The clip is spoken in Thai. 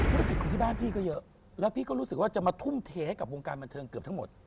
ธุรกิจของที่บ้านพี่ก็เยอะแล้วพี่ก็รู้สึกว่าจะมาทุ่มเทให้กับวงการบันเทิงเกือบทั้งหมด